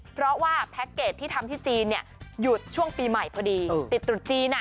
เพราะว่าแพ็คเกจที่ทำที่จีนหยุดช่วงปีใหม่พอดีติดตรุษจีน